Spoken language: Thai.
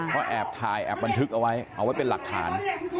เขาแอบถ่ายแอบบันทึกเอาไว้เอาไว้เป็นหลักฐาน